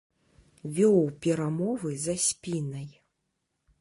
Вёў перамовы за спінай.